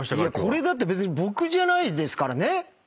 これだって僕じゃないですから。